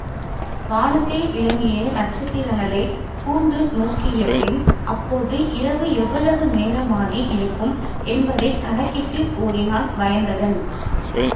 வானத்தில் விளங்கிய நட்சத்திரங்களைக் கூர்ந்து நோக்கியபின் அப்போது இரவு எவ்வளவு நேரமாகி இருக்கும் என்பதைக் கணக்கிட்டுக் கூறினான் வயந்தகன்.